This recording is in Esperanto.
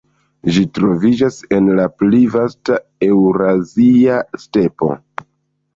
Ĝi troviĝas en la pli vasta Eŭrazia Stepo.